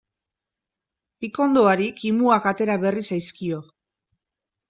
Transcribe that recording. Pikondoari kimuak atera berri zaizkio.